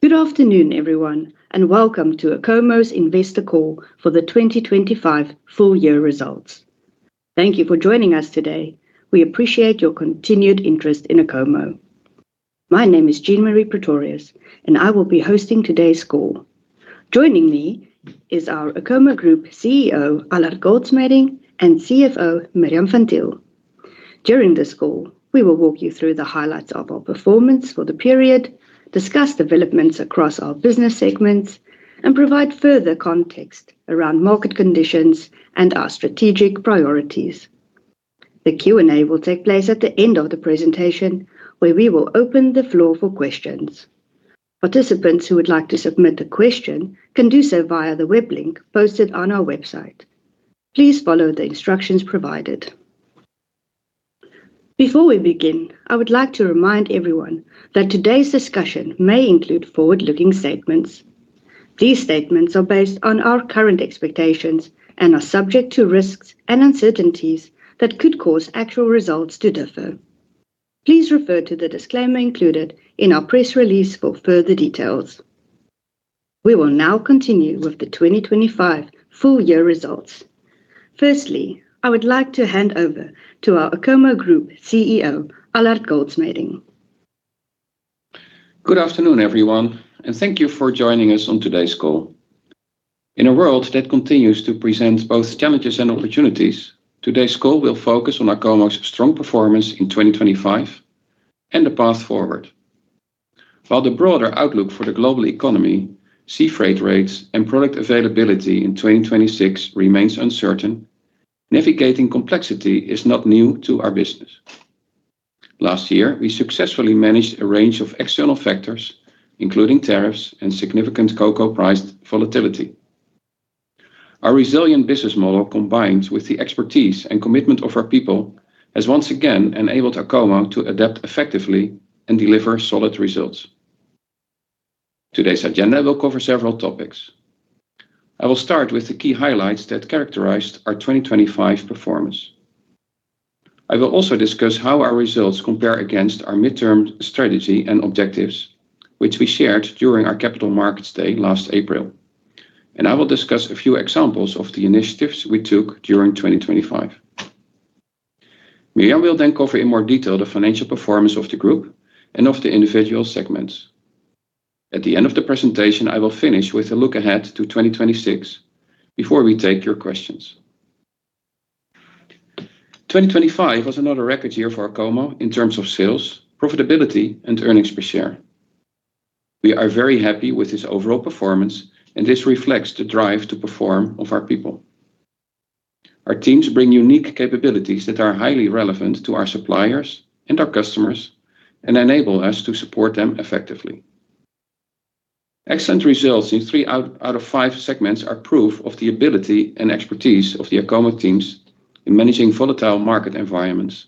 Good afternoon, everyone, and welcome to Acomo's investor call for the 2025 full year results. Thank you for joining us today. We appreciate your continued interest in Acomo. My name is Jean-Mari Pretorius, and I will be hosting today's call. Joining me is our Acomo Group CEO, Allard Goldschmeding, and CFO, Mirjam van Thiel. During this call, we will walk you through the highlights of our performance for the period, discuss developments across our business segments, and provide further context around market conditions and our strategic priorities. The Q&A will take place at the end of the presentation, where we will open the floor for questions. Participants who would like to submit a question can do so via the web link posted on our website. Please follow the instructions provided. Before we begin, I would like to remind everyone that today's discussion may include forward-looking statements. These statements are based on our current expectations and are subject to risks and uncertainties that could cause actual results to differ. Please refer to the disclaimer included in our press release for further details. We will now continue with the 2025 full year results. Firstly, I would like to hand over to our Acomo Group CEO, Allard Goldschmeding. Good afternoon, everyone, and thank you for joining us on today's call. In a world that continues to present both challenges and opportunities, today's call will focus on Acomo's strong performance in 2025 and the path forward. While the broader outlook for the global economy, sea freight rates, and product availability in 2026 remains uncertain, navigating complexity is not new to our business. Last year, we successfully managed a range of external factors, including tariffs and significant cocoa price volatility. Our resilient business model, combined with the expertise and commitment of our people, has once again enabled Acomo to adapt effectively and deliver solid results. Today's agenda will cover several topics. I will start with the key highlights that characterized our 2025 performance. I will also discuss how our results compare against our midterm strategy and objectives, which we shared during our Capital Markets Day last April. I will discuss a few examples of the initiatives we took during 2025. Mirjam will cover in more detail the financial performance of the group and of the individual segments. At the end of the presentation, I will finish with a look ahead to 2026 before we take your questions. 2025 was another record year for Acomo in terms of sales, profitability, and earnings per share. We are very happy with this overall performance. This reflects the drive to perform of our people. Our teams bring unique capabilities that are highly relevant to our suppliers and our customers and enable us to support them effectively. Excellent results in three out of five segments are proof of the ability and expertise of the Acomo teams in managing volatile market environments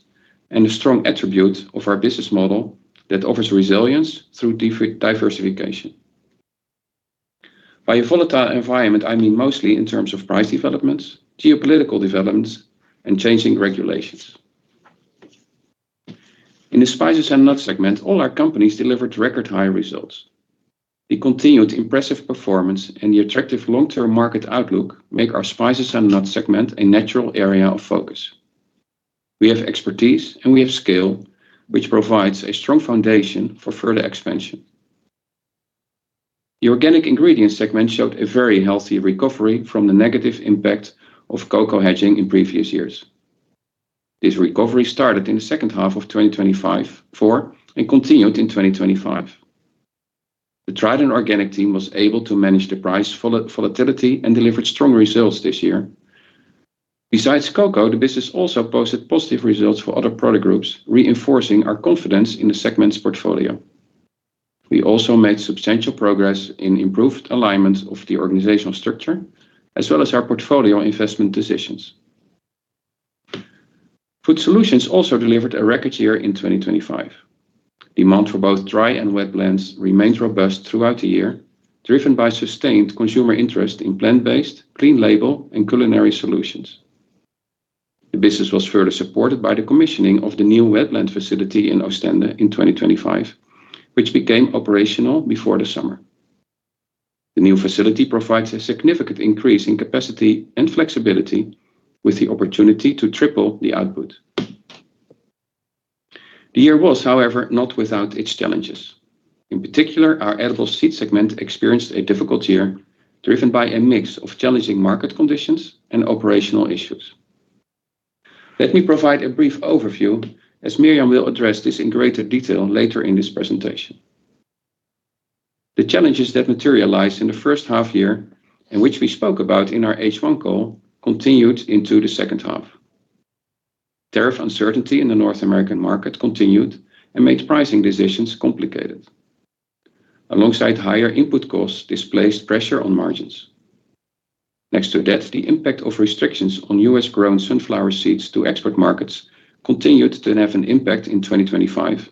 and a strong attribute of our business model that offers resilience through diversification. By a volatile environment, I mean mostly in terms of price developments, geopolitical developments, and changing regulations. In the Spices and Nuts segment, all our companies delivered record high results. The continued impressive performance and the attractive long-term market outlook make our Spices and Nuts segment a natural area of focus. We have expertise and we have scale, which provides a strong foundation for further expansion. The Organic Ingredients segment showed a very healthy recovery from the negative impact of cocoa hedging in previous years. This recovery started in the second half of 2024 and continued in 2025. The Tradin Organics team was able to manage the price volatility and delivered strong results this year. Besides cocoa, the business also posted positive results for other product groups, reinforcing our confidence in the segment's portfolio. We also made substantial progress in improved alignment of the organizational structure, as well as our portfolio investment decisions. Food Solutions also delivered a record year in 2025. Demand for both dry and wet blends remained robust throughout the year, driven by sustained consumer interest in plant-based, clean label, and culinary solutions. The business was further supported by the commissioning of the new wet blends facility in Oostende in 2025, which became operational before the summer. The new facility provides a significant increase in capacity and flexibility, with the opportunity to triple the output. The year was, however, not without its challenges. In particular, our Edible Seeds segment experienced a difficult year, driven by a mix of challenging market conditions and operational issues. Let me provide a brief overview, as Mirjam will address this in greater detail later in this presentation. The challenges that materialized in the first half year, and which we spoke about in our H1 call, continued into the second half. Tariff uncertainty in the North American market continued and made pricing decisions complicated. Alongside higher input costs displaced pressure on margins. Next to that, the impact of restrictions on U.S.-grown sunflower seeds to export markets continued to have an impact in 2025,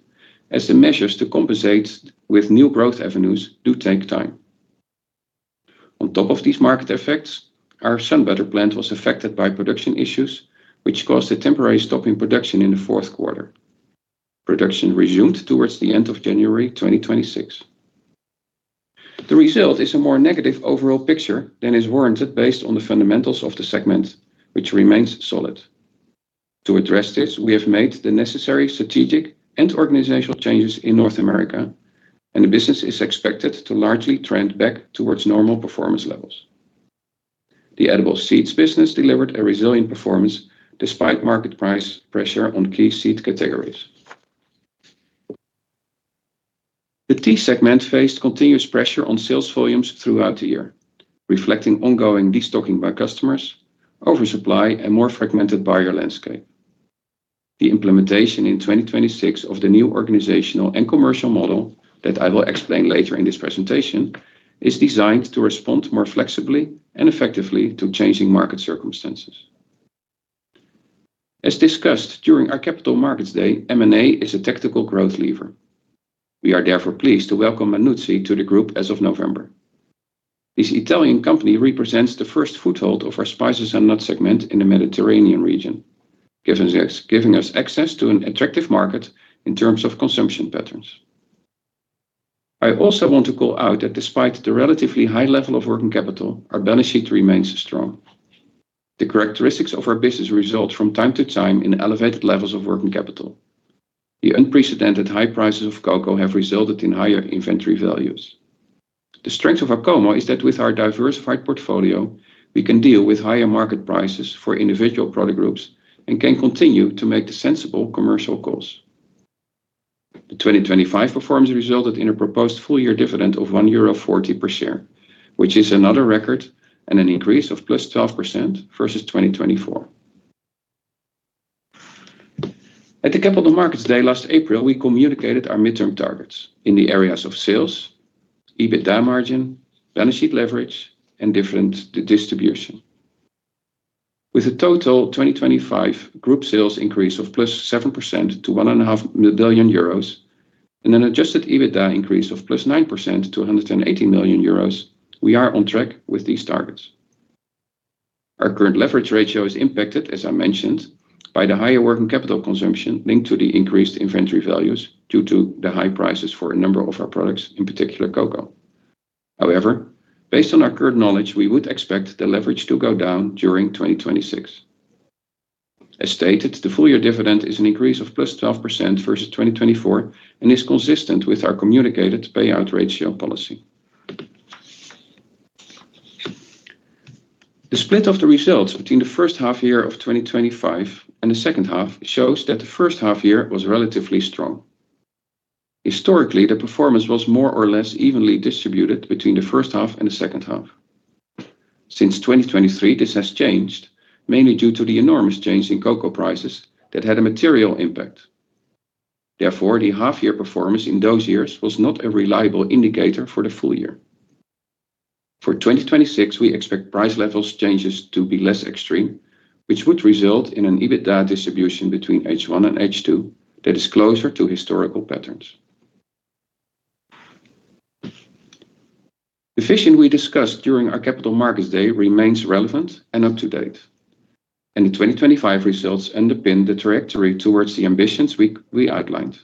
as the measures to compensate with new growth avenues do take time. On top of these market effects, our SunButter plant was affected by production issues, which caused a temporary stop in production in the fourth quarter. Production resumed towards the end of January 2026. The result is a more negative overall picture than is warranted based on the fundamentals of the segment, which remains solid. To address this, we have made the necessary strategic and organizational changes in North America, the business is expected to largely trend back towards normal performance levels. The Edible Seeds business delivered a resilient performance despite market price pressure on key seed categories. The Tea segment faced continuous pressure on sales volumes throughout the year, reflecting ongoing destocking by customers, oversupply, and more fragmented buyer landscape. The implementation in 2026 of the new organizational and commercial model that I will explain later in this presentation is designed to respond more flexibly and effectively to changing market circumstances. As discussed during our Capital Markets Day, M&A is a tactical growth lever. We are therefore pleased to welcome Manuzzi to the group as of November. This Italian company represents the first foothold of our Spices and Nuts segment in the Mediterranean region, giving us access to an attractive market in terms of consumption patterns. I also want to call out that despite the relatively high level of working capital, our balance sheet remains strong. The characteristics of our business result from time to time in elevated levels of working capital. The unprecedented high prices of cocoa have resulted in higher inventory values. The strength of Acomo is that with our diversified portfolio, we can deal with higher market prices for individual product groups and can continue to make the sensible commercial calls. The 2025 performance resulted in a proposed full year dividend of 1.40 euro per share, which is another record and an increase of +12% versus 2024. At the Capital Markets Day last April, we communicated our midterm targets in the areas of sales, EBITDA margin, balance sheet leverage, and different distribution. With a total 2025 group sales increase of +7% to one and 500,000 euros and an Adjusted EBITDA increase of +9% to 180 million euros, we are on track with these targets. Our current leverage ratio is impacted, as I mentioned, by the higher working capital consumption linked to the increased inventory values due to the high prices for a number of our products, in particular cocoa. Based on our current knowledge, we would expect the leverage to go down during 2026. As stated, the full year dividend is an increase of +12% versus 2024, and is consistent with our communicated payout ratio policy. The split of the results between the first half year of 2025 and the second half shows that the first half year was relatively strong. Historically, the performance was more or less evenly distributed between the first half and the second half. Since 2023, this has changed, mainly due to the enormous change in cocoa prices that had a material impact. Therefore, the half year performance in those years was not a reliable indicator for the full year. For 2026, we expect price levels changes to be less extreme, which would result in an EBITDA distribution between H1 and H2 that is closer to historical patterns. The vision we discussed during our Capital Markets Day remains relevant and up to date, and the 2025 results underpin the trajectory towards the ambitions we outlined.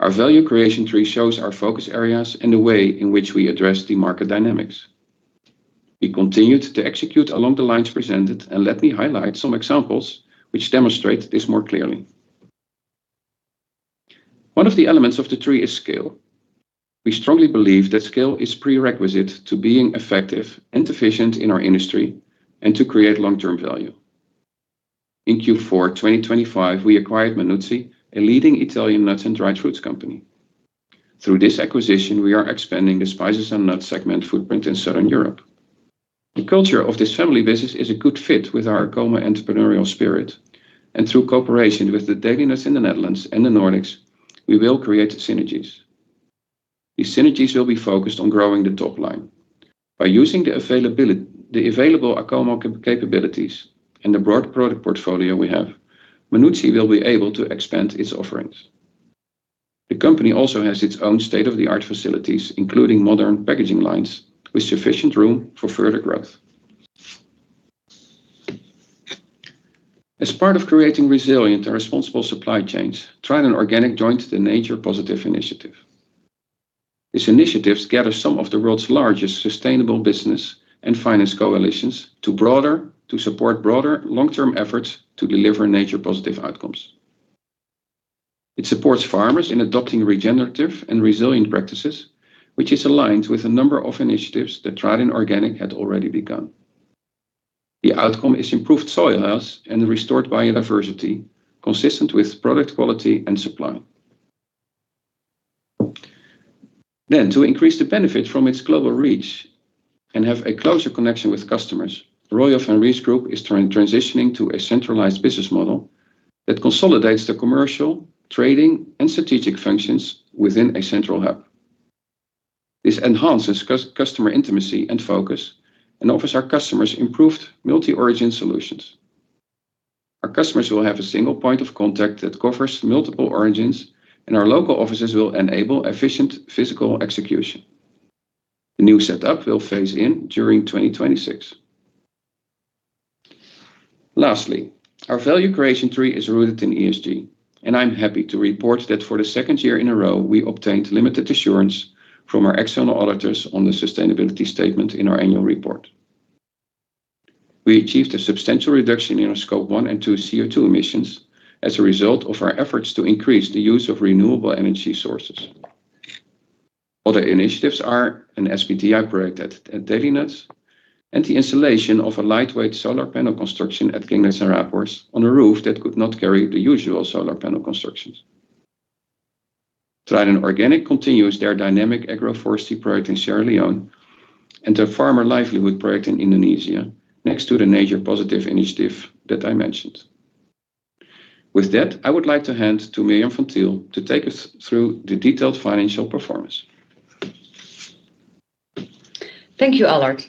Our value creation tree shows our focus areas and the way in which we address the market dynamics. We continued to execute along the lines presented, and let me highlight some examples which demonstrate this more clearly. One of the elements of the tree is scale. We strongly believe that scale is prerequisite to being effective and efficient in our industry and to create long-term value. In Q4 2025, we acquired Manuzzi, a leading Italian nuts and dried fruits company. Through this acquisition, we are expanding the Spices and Nuts segment footprint in Southern Europe. The culture of this family business is a good fit with our Acomo entrepreneurial spirit, and through cooperation with the Delinuts in the Netherlands and the Nordics, we will create synergies. These synergies will be focused on growing the top line. By using the available Acomo capabilities and the broad product portfolio we have, Manuzzi will be able to expand its offerings. The company also has its own state-of-the-art facilities, including modern packaging lines with sufficient room for further growth. As part of creating resilient and responsible supply chains, Tradin Organics joined the Nature Positive initiative. This initiative gathers some of the world's largest sustainable business and finance coalitions to support broader long-term efforts to deliver nature positive outcomes. It supports farmers in adopting regenerative and resilient practices, which is aligned with a number of initiatives that Tradin Organics had already begun. The outcome is improved soil health and restored biodiversity consistent with product quality and supply. To increase the benefit from its global reach and have a closer connection with customers, Royal Van Rees Group is transitioning to a centralized business model that consolidates the commercial, trading, and strategic functions within a central hub. This enhances customer intimacy and focus and offers our customers improved multi-origin solutions. Our customers will have a single point of contact that covers multiple origins, and our local offices will enable efficient physical execution. The new setup will phase in during 2026. Our value creation tree is rooted in ESG, and I'm happy to report that for the second year in a row, we obtained limited assurance from our external auditors on the sustainability statement in our annual report. We achieved a substantial reduction in our Scope 1 and 2 CO2 emissions as a result of our efforts to increase the use of renewable energy sources. Other initiatives are an SBTi project at Delinuts and the installation of a lightweight solar panel construction at Kingma Singapore on a roof that could not carry the usual solar panel constructions. Tradin Organics continues their dynamic agroforestry project in Sierra Leone and their farmer livelihood project in Indonesia next to the Nature Positive initiative that I mentioned. With that, I would like to hand to Mirjam van Thiel to take us through the detailed financial performance. Thank you, Allard.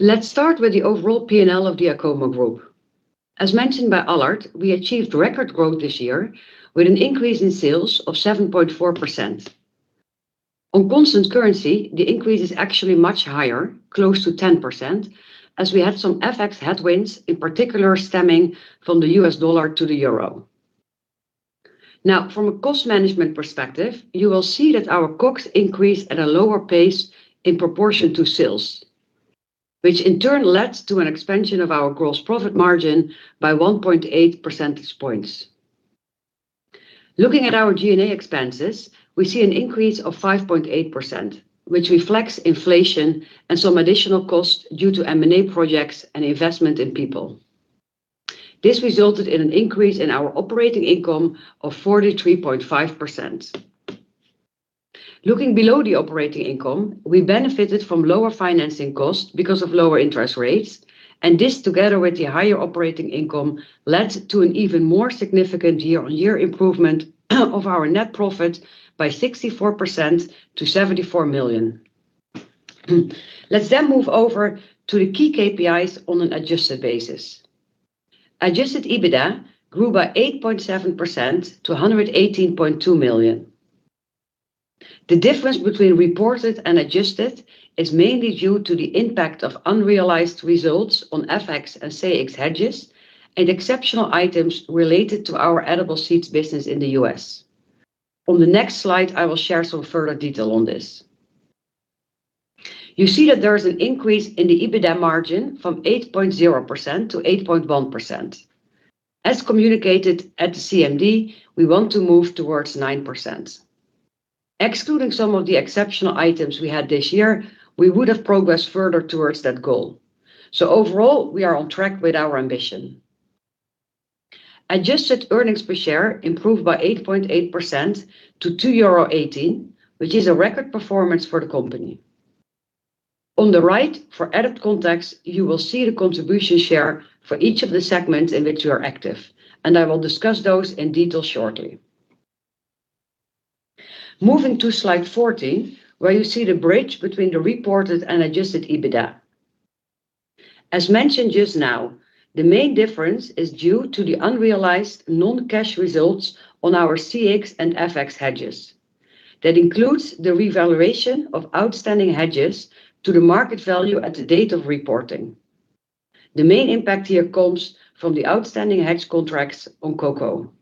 Let's start with the overall P&L of the Acomo Group. As mentioned by Allard, we achieved record growth this year with an increase in sales of 7.4%. On constant currency, the increase is actually much higher, close to 10%, as we had some FX headwinds, in particular stemming from the US dollar to the euro. From a cost management perspective, you will see that our COGS increased at a lower pace in proportion to sales, which in turn led to an expansion of our gross profit margin by 1.8 percentage points. Looking at our G&A expenses, we see an increase of 5.8%, which reflects inflation and some additional costs due to M&A projects and investment in people. This resulted in an increase in our operating income of 43.5%. Looking below the operating income, we benefited from lower financing costs because of lower interest rates, this together with the higher operating income led to an even more significant year-on-year improvement of our net profit by 64% to 74 million. Let's then move over to the key KPIs on an adjusted basis. Adjusted EBITDA grew by 8.7% to 118.2 million. The difference between reported and adjusted is mainly due to the impact of unrealized results on FX and CX hedges and exceptional items related to our Edible Seeds business in the U.S. On the next slide, I will share some further detail on this. You see that there is an increase in the EBITDA margin from 8.0% to 8.1%. As communicated at the CMD, we want to move towards 9%. Excluding some of the exceptional items we had this year, we would have progressed further towards that goal. Overall, we are on track with our ambition. Adjusted earnings per share improved by 8.8% to 2.18 euro, which is a record performance for the company. On the right, for added context, you will see the contribution share for each of the segments in which we are active, and I will discuss those in detail shortly. Moving to slide 14, where you see the bridge between the reported and Adjusted EBITDA. As mentioned just now, the main difference is due to the unrealized non-cash results on our CX and FX hedges. That includes the revaluation of outstanding hedges to the market value at the date of reporting. The main impact here comes from the outstanding hedge contracts on cocoa.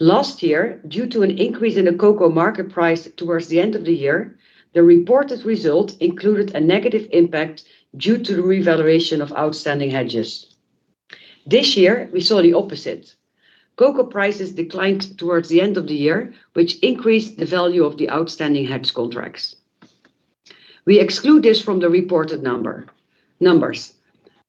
Last year, due to an increase in the cocoa market price towards the end of the year, the reported result included a negative impact due to the revaluation of outstanding hedges. This year, we saw the opposite. Cocoa prices declined towards the end of the year, which increased the value of the outstanding hedge contracts. We exclude this from the reported numbers.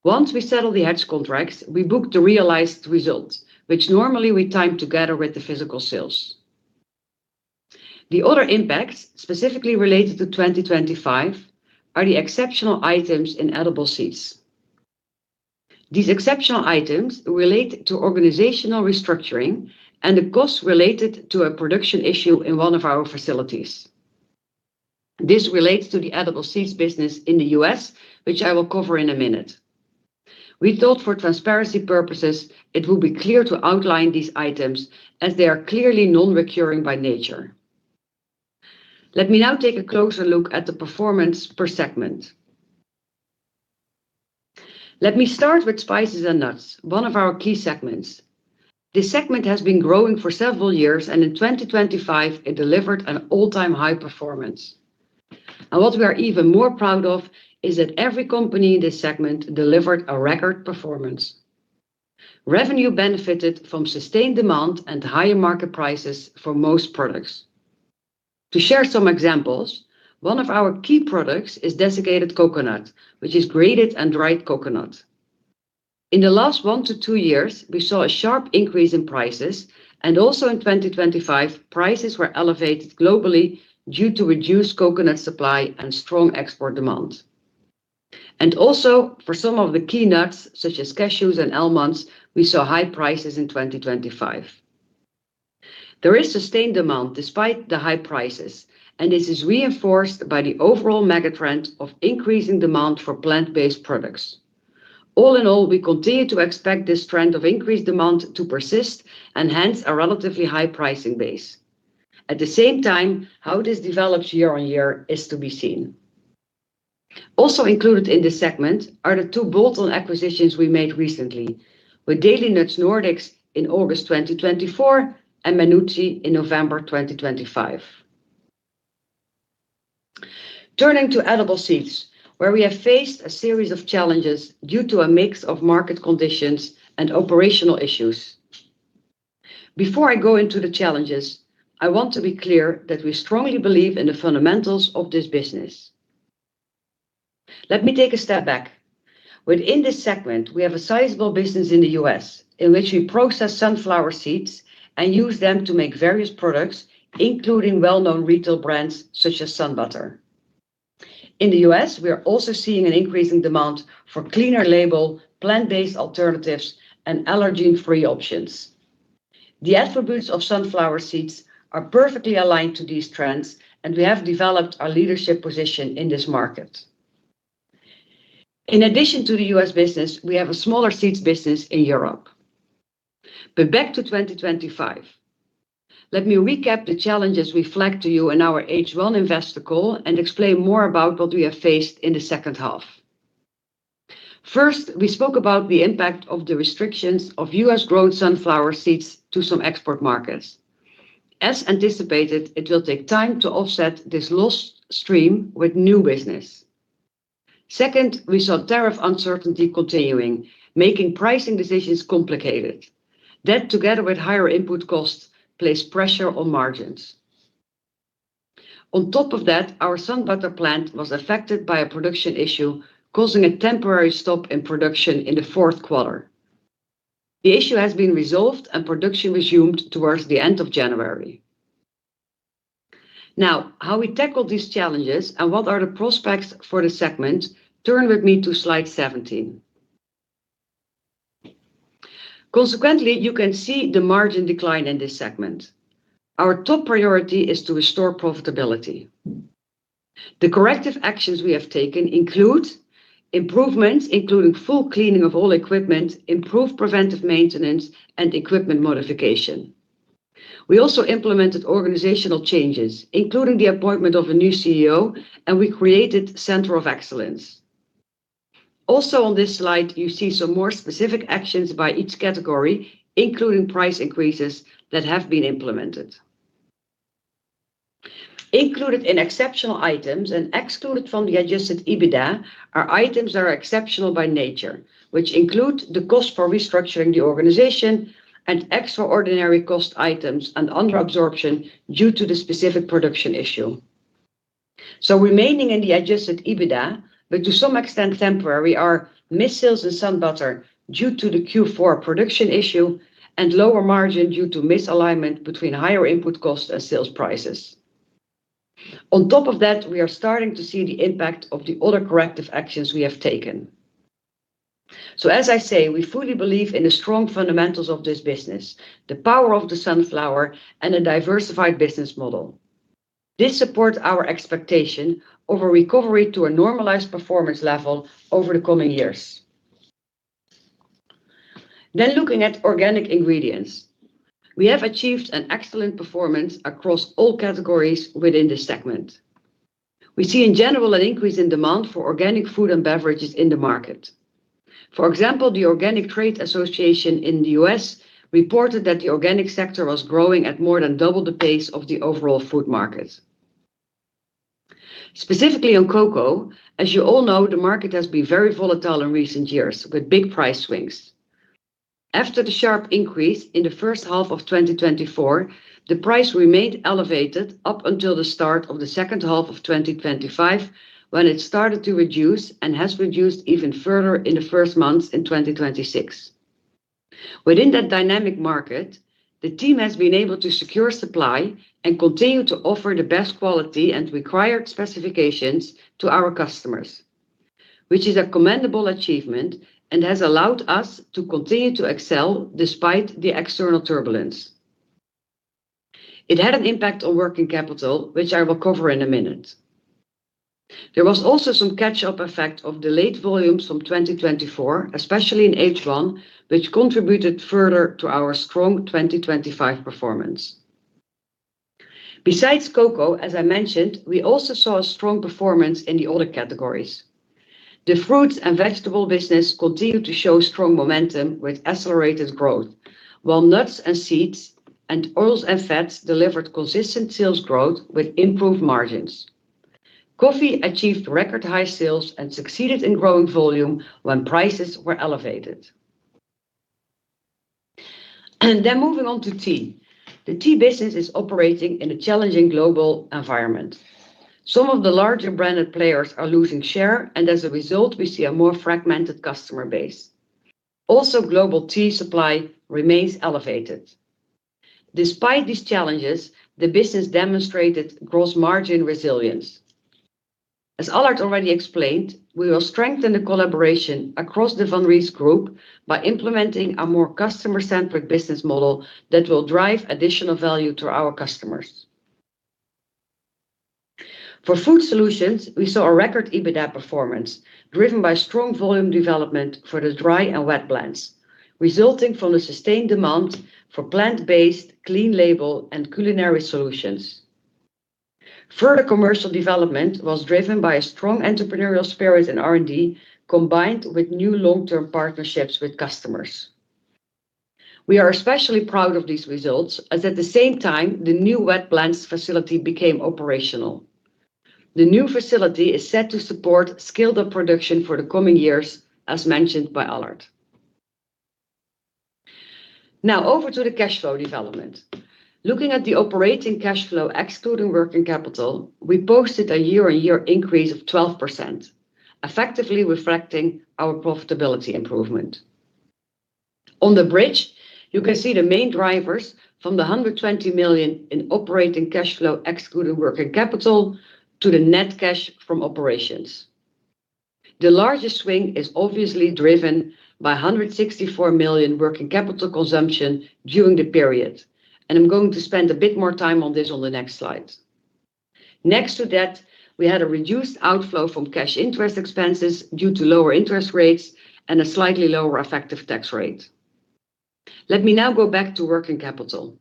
Once we settle the hedge contracts, we book the realized results, which normally we time together with the physical sales. The other impact, specifically related to 2025, are the exceptional items in Edible Seeds. These exceptional items relate to organizational restructuring and the costs related to a production issue in one of our facilities. This relates to the Edible Seeds business in the U.S., which I will cover in a minute. We thought for transparency purposes, it will be clear to outline these items as they are clearly non-recurring by nature. Let me now take a closer look at the performance per segment. Let me start with Spices and Nuts, one of our key segments. This segment has been growing for several years, and in 2025, it delivered an all-time high performance. What we are even more proud of is that every company in this segment delivered a record performance. Revenue benefited from sustained demand and higher market prices for most products. To share some examples, one of our key products is desiccated coconut, which is grated and dried coconut. In the last 1-2 years, we saw a sharp increase in prices, and also in 2025, prices were elevated globally due to reduced coconut supply and strong export demand. Also for some of the key nuts, such as cashews and almonds, we saw high prices in 2025. There is sustained demand despite the high prices, and this is reinforced by the overall mega trend of increasing demand for plant-based products. All in all, we continue to expect this trend of increased demand to persist and hence a relatively high pricing base. At the same time, how this develops year-on-year is to be seen. Also included in this segment are the two bolt-on acquisitions we made recently with Delinuts Nordics in August 2024 and Manuzzi in November 2025. Turning to Edible Seeds, where we have faced a series of challenges due to a mix of market conditions and operational issues. Before I go into the challenges, I want to be clear that we strongly believe in the fundamentals of this business. Let me take a step back. Within this segment, we have a sizable business in the U.S., in which we process sunflower seeds and use them to make various products, including well-known retail brands such as SunButter. In the U.S., we are also seeing an increase in demand for cleaner label, plant-based alternatives, and allergy-free options. The attributes of sunflower seeds are perfectly aligned to these trends, and we have developed a leadership position in this market. In addition to the U.S. business, we have a smaller seeds business in Europe. Back to 2025. Let me recap the challenges we flagged to you in our H1 investor call and explain more about what we have faced in the second half. First, we spoke about the impact of the restrictions of U.S.-grown sunflower seeds to some export markets. As anticipated, it will take time to offset this lost stream with new business. We saw tariff uncertainty continuing, making pricing decisions complicated. Together with higher input costs, place pressure on margins. Our SunButter plant was affected by a production issue, causing a temporary stop in production in the fourth quarter. The issue has been resolved and production resumed towards the end of January. How we tackle these challenges and what are the prospects for the segment, turn with me to slide 17. You can see the margin decline in this segment. Our top priority is to restore profitability. The corrective actions we have taken include improvements, including full cleaning of all equipment, improved preventive maintenance, and equipment modification. We also implemented organizational changes, including the appointment of a new CEO, and we created Center of Excellence. Also on this slide, you see some more specific actions by each category, including price increases that have been implemented. Included in exceptional items and excluded from the Adjusted EBITDA are items that are exceptional by nature, which include the cost for restructuring the organization and extraordinary cost items and under absorption due to the specific production issue. Remaining in the Adjusted EBITDA, but to some extent temporary, are missales in SunButter due to the Q4 production issue and lower margin due to misalignment between higher input costs and sales prices. On top of that, we are starting to see the impact of the other corrective actions we have taken. As I say, we fully believe in the strong fundamentals of this business, the power of the sunflower, and a diversified business model. Looking at Organic Ingredients, we have achieved an excellent performance across all categories within this segment. We see in general an increase in demand for organic food and beverages in the market. For example, the Organic Trade Association in the U.S. reported that the organic sector was growing at more than double the pace of the overall food market. Specifically on cocoa, as you all know, the market has been very volatile in recent years with big price swings. After the sharp increase in the first half of 2024, the price remained elevated up until the start of the second half of 2025, when it started to reduce and has reduced even further in the first months in 2026. Within that dynamic market, the team has been able to secure supply and continue to offer the best quality and required specifications to our customers, which is a commendable achievement and has allowed us to continue to excel despite the external turbulence. It had an impact on working capital, which I will cover in a minute. There was also some catch-up effect of delayed volumes from 2024, especially in H1, which contributed further to our strong 2025 performance. Besides cocoa, as I mentioned, we also saw strong performance in the other categories. The fruits and vegetable business continued to show strong momentum with accelerated growth. While nuts and seeds and oils and fats delivered consistent sales growth with improved margins. Coffee achieved record high sales and succeeded in growing volume when prices were elevated. Moving on to Tea. The tea business is operating in a challenging global environment. Some of the larger branded players are losing share, and as a result, we see a more fragmented customer base. Also, global tea supply remains elevated. Despite these challenges, the business demonstrated gross margin resilience. As Allard already explained, we will strengthen the collaboration across the Van Rees Group by implementing a more customer-centric business model that will drive additional value to our customers. For Food Solutions, we saw a record EBITDA performance driven by strong volume development for the dry and wet blends, resulting from the sustained demand for plant-based, clean label, and culinary solutions. Further commercial development was driven by a strong entrepreneurial spirit in R&D, combined with new long-term partnerships with customers. We are especially proud of these results, as at the same time the new wet blends facility became operational. The new facility is set to support scaled-up production for the coming years, as mentioned by Allard. Over to the cash flow development. Looking at the operating cash flow excluding working capital, we posted a year-on-year increase of 12%, effectively reflecting our profitability improvement. On the bridge, you can see the main drivers from the 120 million in operating cash flow excluding working capital to the net cash from operations. The largest swing is obviously driven by 164 million working capital consumption during the period. I'm going to spend a bit more time on this on the next slide. Next to that, we had a reduced outflow from cash interest expenses due to lower interest rates and a slightly lower effective tax rate. Let me now go back to working capital.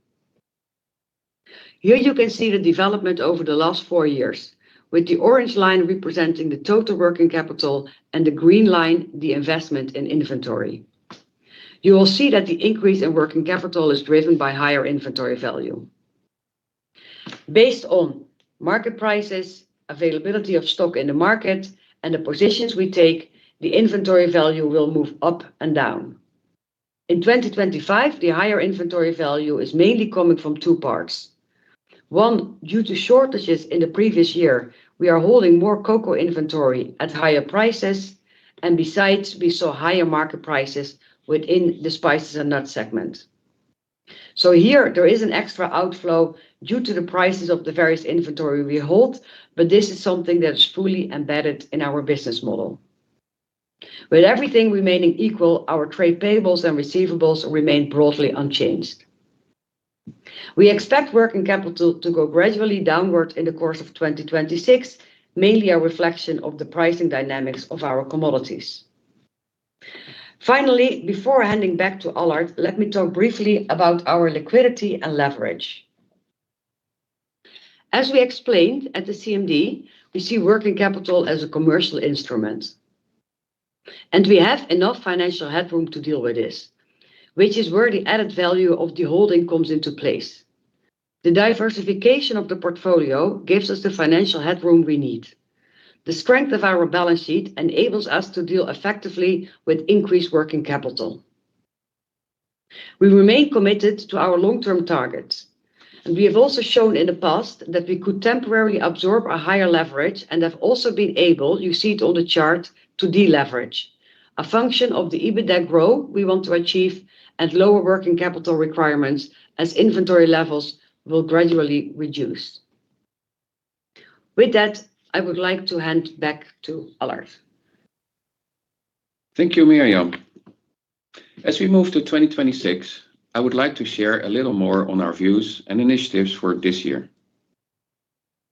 Here, you can see the development over the last four years, with the orange line representing the total working capital and the green line the investment in inventory. You will see that the increase in working capital is driven by higher inventory value. Based on market prices, availability of stock in the market, and the positions we take, the inventory value will move up and down. In 2025, the higher inventory value is mainly coming from two parts. One, due to shortages in the previous year, we are holding more cocoa inventory at higher prices, and besides, we saw higher market prices within the Spices and Nuts segment. Here there is an extra outflow due to the prices of the various inventory we hold, but this is something that is fully embedded in our business model. With everything remaining equal, our trade payables and receivables remain broadly unchanged. We expect working capital to go gradually downward in the course of 2026, mainly a reflection of the pricing dynamics of our commodities. Before handing back to Allard, let me talk briefly about our liquidity and leverage. As we explained at the CMD, we see working capital as a commercial instrument. We have enough financial headroom to deal with this, which is where the added value of the holding comes into place. The diversification of the portfolio gives us the financial headroom we need. The strength of our balance sheet enables us to deal effectively with increased working capital. We remain committed to our long-term targets, and we have also shown in the past that we could temporarily absorb a higher leverage and have also been able, you see it on the chart, to deleverage, a function of the EBITDA growth we want to achieve at lower working capital requirements as inventory levels will gradually reduce. With that, I would like to hand back to Allard. Thank you, Mirjam. As we move to 2026, I would like to share a little more on our views and initiatives for this year.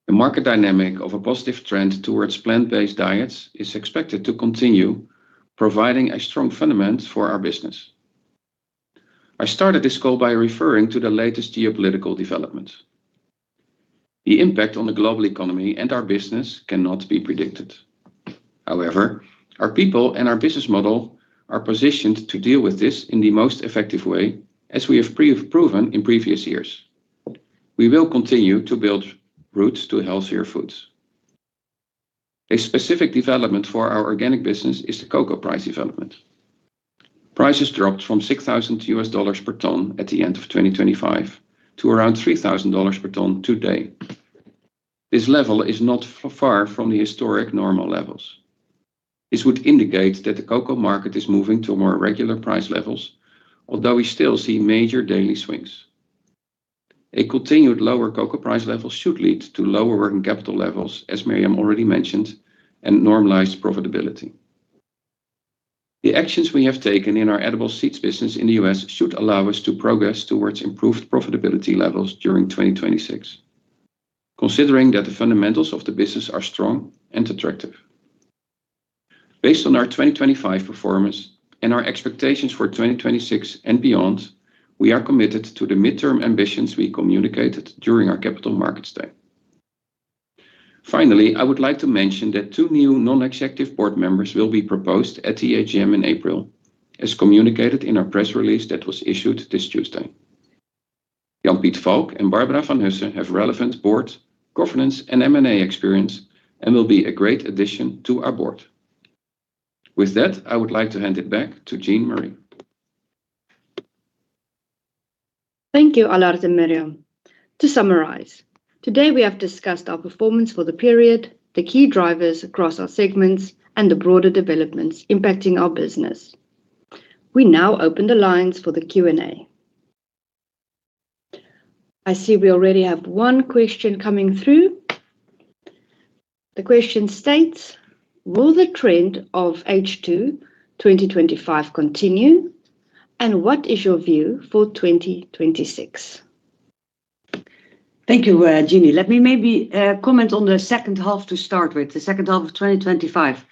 The market dynamic of a positive trend towards plant-based diets is expected to continue providing a strong fundament for our business. I started this call by referring to the latest geopolitical developments. The impact on the global economy and our business cannot be predicted. However, our people and our business model are positioned to deal with this in the most effective way, as we have pre-proven in previous years. We will continue to build routes to healthier foods. A specific development for our organic business is the cocoa price development. Prices dropped from $6,000 per ton at the end of 2025 to around $3,000 per ton today. This level is not far from the historic normal levels. This would indicate that the cocoa market is moving to more regular price levels, although we still see major daily swings. A continued lower cocoa price level should lead to lower working capital levels, as Mirjam already mentioned, and normalized profitability. The actions we have taken in our Edible Seeds business in the U.S. should allow us to progress towards improved profitability levels during 2026, considering that the fundamentals of the business are strong and attractive. Based on our 2025 performance and our expectations for 2026 and beyond, we are committed to the midterm ambitions we communicated during our Capital Markets Day. Finally, I would like to mention that two new non-executive board members will be proposed at the AGM in April, as communicated in our press release that was issued this Tuesday. Jan Piet Valk and Barbara van Hussen have relevant board, governance, and M&A experience and will be a great addition to our board. With that, I would like to hand it back to Jean-Mari. Thank you, Allard and Mirjam. To summarize, today we have discussed our performance for the period, the key drivers across our segments, and the broader developments impacting our business. We now open the lines for the Q&A. I see we already have one question coming through. The question states: Will the trend of H2 2025 continue? What is your view for 2026? Thank you, Jean. Let me maybe comment on the second half to start with, the second half of 2025.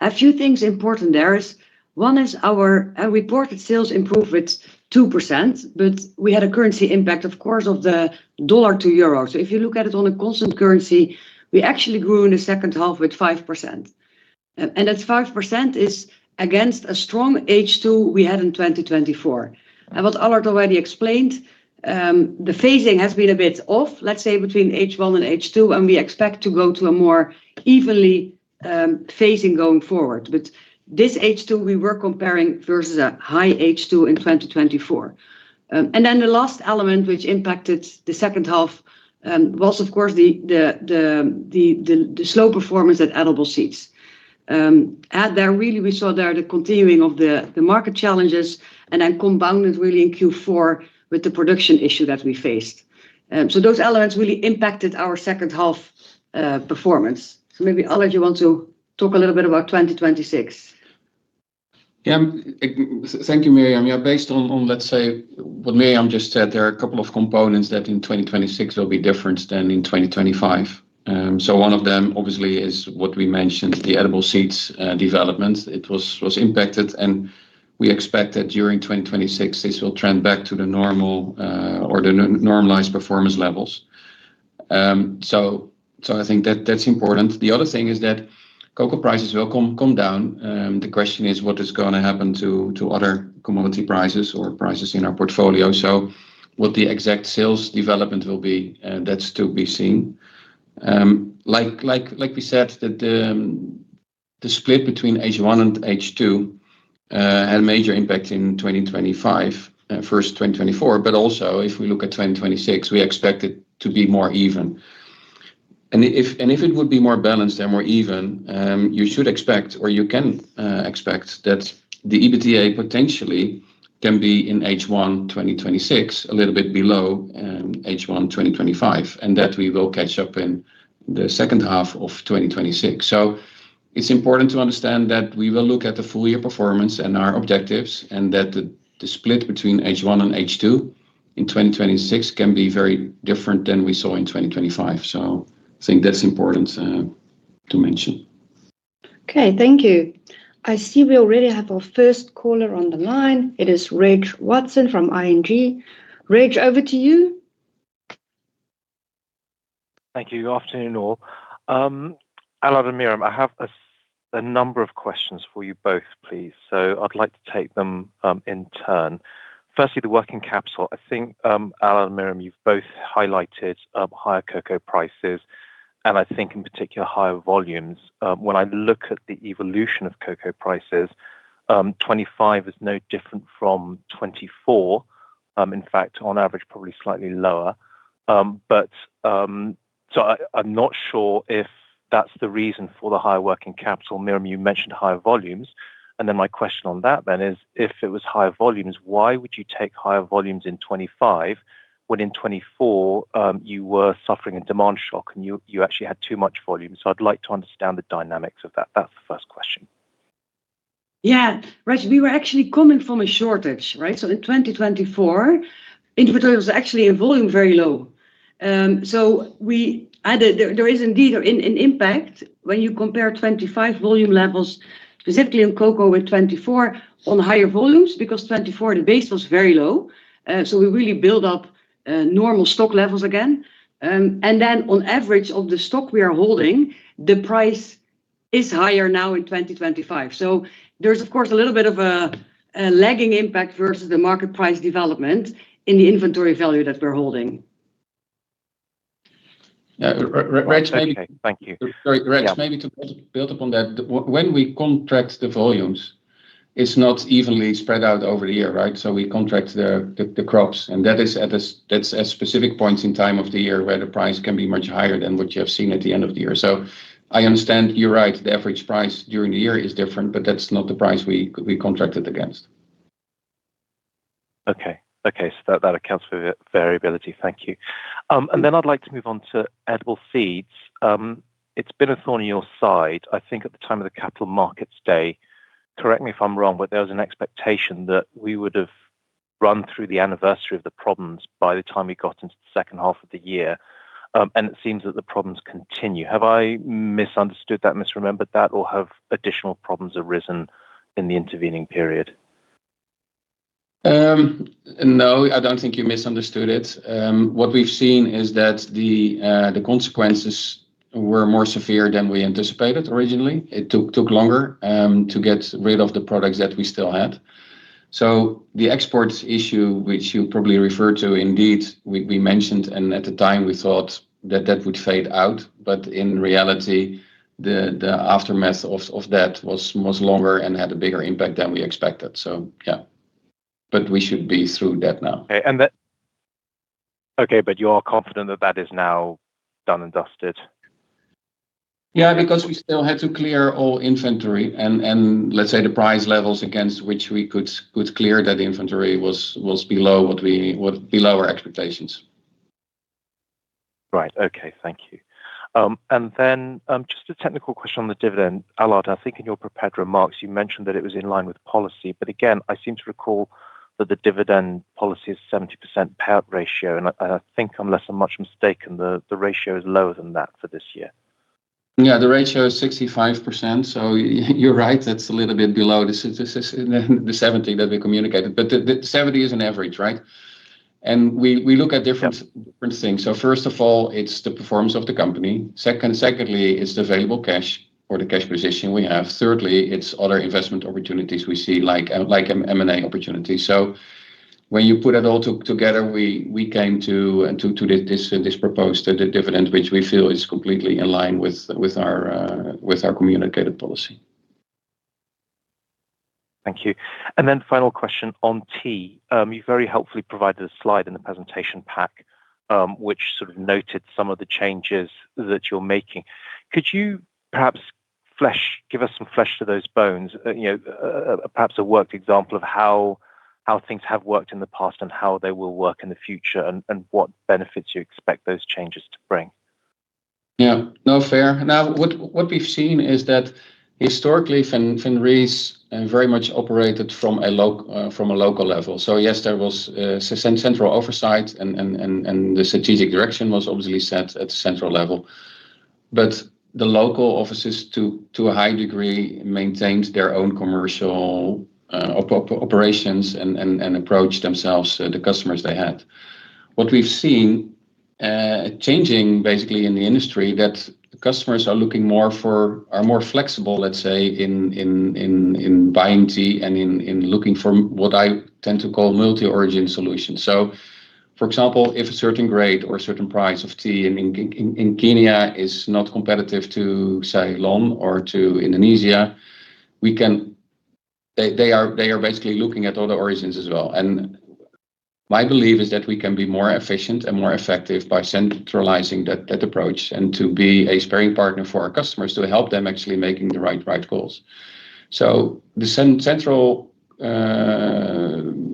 A few things important there is one is our reported sales improved with 2%. We had a currency impact, of course, of the dollar to euro. If you look at it on a constant currency, we actually grew in the second half with 5%. That 5% is against a strong H2 we had in 2024. What Allard already explained, the phasing has been a bit off, let's say, between H1 and H2, and we expect to go to a more evenly phasing going forward. This H2 we were comparing versus a high H2 in 2024. The last element which impacted the second half, was of course the slow performance at Edible Seeds. At there really we saw there the continuing of the market challenges and then compounded really in Q4 with the production issue that we faced. Those elements really impacted our second half performance. Maybe Allard, you want to talk a little bit about 2026. Thank you, Mirjam. Based on, let's say what Mirjam just said, there are a couple of components that in 2026 will be different than in 2025. One of them obviously is what we mentioned, the Edible Seeds developments. It was impacted, and we expect that during 2026 this will trend back to the normal or the normalized performance levels. I think that that's important. The other thing is that cocoa prices will come down. The question is what is gonna happen to other commodity prices or prices in our portfolio. What the exact sales development will be, that's to be seen. Like we said, that the split between H1 and H2 had a major impact in 2025, first 2024. Also if we look at 2026, we expect it to be more even. If it would be more balanced and more even, you should expect or you can expect that the EBITDA potentially can be in H1 2026 a little bit below H1 2025, and that we will catch up in the second half of 2026. It's important to understand that we will look at the full year performance and our objectives, and that the split between H1 and H2 in 2026 can be very different than we saw in 2025. I think that's important to mention. Okay, thank you. I see we already have our first caller on the line. It is Reg Watson from ING. Reg, over to you. Thank you. Good afternoon, all. Allard and Mirjam, I have a number of questions for you both, please. I'd like to take them in turn. Firstly, the working capital. I think Allard and Mirjam, you've both highlighted higher cocoa prices and I think in particular higher volumes. When I look at the evolution of cocoa prices, 2025 is no different from 2024. In fact, on average, probably slightly lower. But I'm not sure if that's the reason for the higher working capital. Mirjam, you mentioned higher volumes, and then my question on that then is, if it was higher volumes, why would you take higher volumes in 2025 when in 2024, you were suffering a demand shock and you actually had too much volume? I'd like to understand the dynamics of that. That's the first question. Yeah. Reg, we were actually coming from a shortage, right? In 2024, inventory was actually a volume very low. There is indeed an impact when you compare 2025 volume levels, specifically in cocoa with 2024 on higher volumes, because 2024 the base was very low. We really build up normal stock levels again. On average of the stock we are holding, the price is higher now in 2025. There's of course a little bit of a lagging impact versus the market price development in the inventory value that we're holding. Yeah. Reg. Okay, thank you. Reg, maybe to build upon that. When we contract the volumes, it's not evenly spread out over the year, right? We contract the crops, and that is at specific points in time of the year where the price can be much higher than what you have seen at the end of the year. I understand you're right, the average price during the year is different, but that's not the price we contracted against. Okay. Okay. That, that accounts for the variability. Thank you. Then I'd like to move on to Edible Seeds. It's been a thorn in your side, I think, at the time of the Capital Markets Day. Correct me if I'm wrong, there was an expectation that we would have run through the anniversary of the problems by the time we got into the second half of the year. It seems that the problems continue. Have I misunderstood that, misremembered that, or have additional problems arisen in the intervening period? No, I don't think you misunderstood it. What we've seen is that the consequences were more severe than we anticipated originally. It took longer, to get rid of the products that we still had. The exports issue, which you probably refer to, indeed, we mentioned, and at the time we thought that that would fade out. In reality, the aftermath of that was longer and had a bigger impact than we expected. Yeah. We should be through that now. Okay. Okay, you are confident that that is now done and dusted? Yeah, because we still had to clear all inventory and let's say the price levels against which we could clear that inventory was below our expectations. Right. Okay. Thank you. Then, just a technical question on the dividend. Allard, I think in your prepared remarks you mentioned that it was in line with policy. Again, I seem to recall that the dividend policy is 70% payout ratio. I think unless I'm much mistaken, the ratio is lower than that for this year. Yeah, the ratio is 65%, so you're right, that's a little bit below the 70% that we communicated. The 70% is an average, right? We look at different things. First of all, it's the performance of the company. Second, secondly, it's the available cash or the cash position we have. Thirdly, it's other investment opportunities we see like M&A opportunities. When you put it all together, we came to this proposed dividend, which we feel is completely in line with our communicated policy. Thank you. Then final question on Tea. You very helpfully provided a slide in the presentation pack, which sort of noted some of the changes that you're making. Could you perhaps give us some flesh to those bones? You know, perhaps a worked example of how things have worked in the past and how they will work in the future and what benefits you expect those changes to bring. Yeah. No, fair. Now, what we've seen is that historically Van Rees very much operated from a local level. Yes, there was central oversight and the strategic direction was obviously set at central level. The local offices to a high degree maintained their own commercial operations and approached themselves, the customers they had. What we've seen changing basically in the industry that customers are looking more for are more flexible, let's say, in buying tea and in looking for what I tend to call multi-origin solutions. For example, if a certain grade or a certain price of tea in Kenya is not competitive to Ceylon or to Indonesia, we can. They are basically looking at other origins as well. My belief is that we can be more efficient and more effective by centralizing that approach and to be a sparring partner for our customers to help them actually making the right calls. The central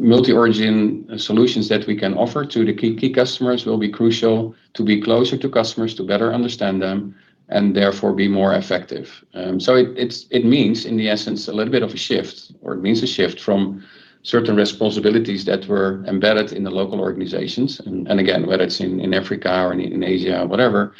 multi-origin solutions that we can offer to the key customers will be crucial to be closer to customers to better understand them and therefore be more effective. It means in the essence a little bit of a shift, or it means a shift from certain responsibilities that were embedded in the local organizations. And again, whether it's in Africa or in Asia, whatever,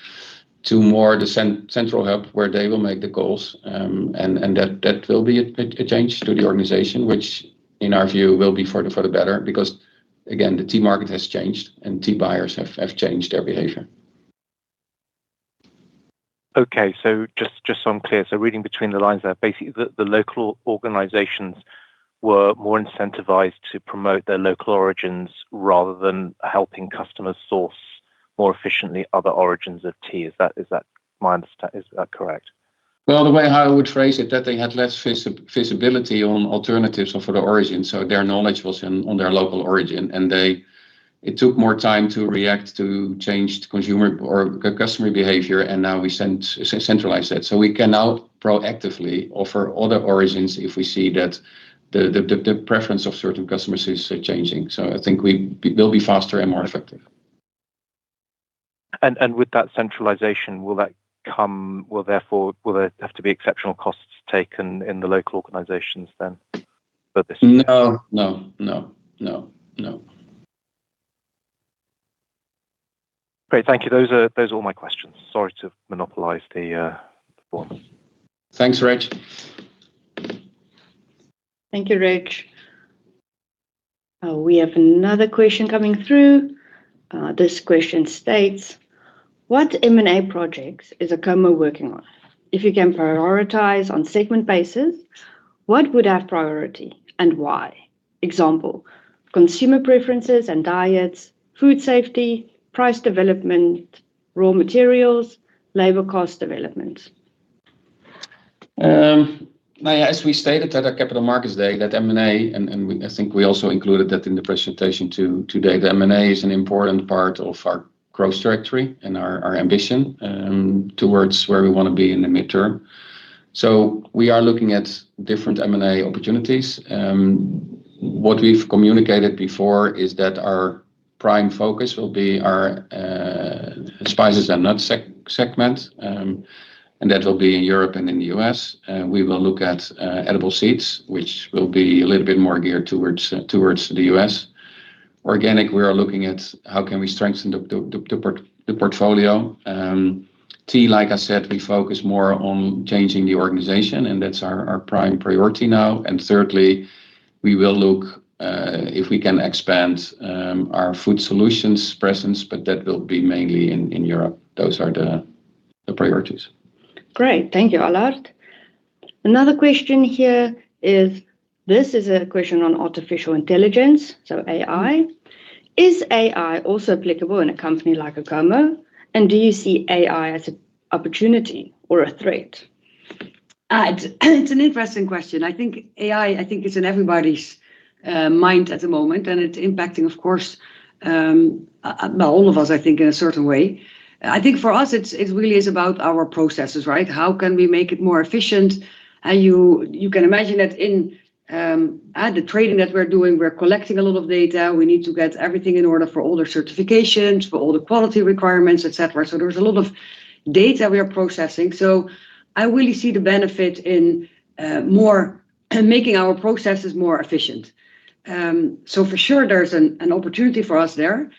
to more the central hub where they will make the calls. That will be a change to the organization which in our view will be for the better. Because again, the tea market has changed and tea buyers have changed their behavior. Okay. Just so I'm clear, reading between the lines there, basically the local organizations were more incentivized to promote their local origins rather than helping customers source more efficiently other origins of tea. Is that correct? Well, the way how I would phrase it, that they had less visibility on alternatives for the origin, so their knowledge was on their local origin. It took more time to react to changed consumer or customer behavior, and now we centralize it. We can now proactively offer other origins if we see that the preference of certain customers is changing. I think we'll be faster and more effective. With that centralization, Therefore, will there have to be exceptional costs taken in the local organizations then for this? No. No. No. No. No. Great. Thank you. Those are all my questions. Sorry to monopolize the call. Thanks, Reg. Thank you, Reg. We have another question coming through. This question states, "What M&A projects is Acomo working on? If you can prioritize on segment basis, what would have priority and why? Example, consumer preferences and diets, food safety, price development, raw materials, labor cost development. Mari, as we stated at our Capital Markets Day, that M&A, and we, I think we also included that in the presentation too today, the M&A is an important part of our growth trajectory and our ambition towards where we wanna be in the midterm. We are looking at different M&A opportunities. What we've communicated before is that our prime focus will be our Spices and Nuts segment, and that will be in Europe and in the U.S. We will look at Edible Seeds, which will be a little bit more geared towards the U.S. Organic, we are looking at how can we strengthen the portfolio. Tea, like I said, we focus more on changing the organization, and that's our prime priority now. Thirdly, we will look if we can expand our Food Solutions presence, but that will be mainly in Europe. Those are the priorities. Great. Thank you, Allard. Another question here is, this is a question on artificial intelligence, so AI. "Is AI also applicable in a company like Acomo, and do you see AI as an opportunity or a threat? It's an interesting question. I think AI, I think it's in everybody's mind at the moment and it's impacting, of course, well, all of us, I think, in a certain way. I think for us it's really is about our processes, right? How can we make it more efficient? You can imagine that in at the trading that we're doing, we're collecting a lot of data. We need to get everything in order for all the certifications, for all the quality requirements, et cetera. There's a lot of data we are processing. I really see the benefit in making our processes more efficient. For sure there's an opportunity for us there.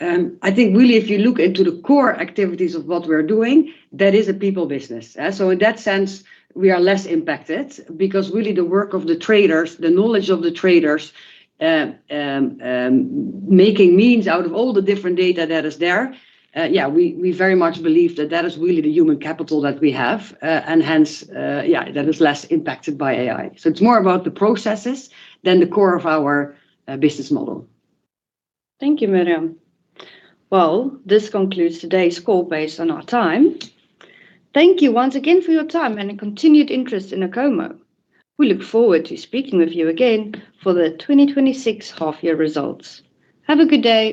I think really if you look into the core activities of what we're doing, that is a people business. In that sense, we are less impacted because really the work of the traders, the knowledge of the traders, making means out of all the different data that is there, we very much believe that that is really the human capital that we have. Hence, that is less impacted by AI. It's more about the processes than the core of our business model. Thank you, Mirjam. Well, this concludes today's call based on our time. Thank you once again for your time and continued interest in Acomo. We look forward to speaking with you again for the 2026 half year results. Have a good day.